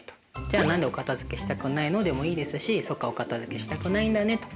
じゃあ「何でお片づけしたくないの？」でもいいですし「そっかお片づけしたくないんだね」と。